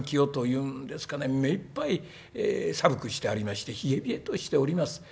目いっぱい寒くしてありまして冷え冷えとしております。